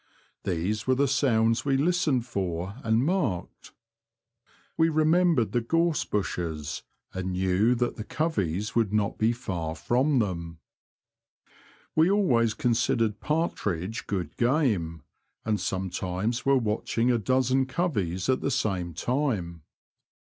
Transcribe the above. These were the sounds we listened for, and marked. We re membered the gorse bushes, and knew that the coveys would not be far from them. We always considered partridge good game, and sometimes were watching a dozen coveys The Confessions of a Poacher, 49 at the same time.